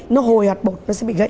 nó hồi hạt bột nó sẽ bị gãy